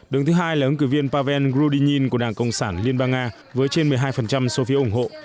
đường thứ hai là ứng cử viên pavel grudinin của đảng cộng sản liên bang nga với trên một mươi hai số phiếu ủng hộ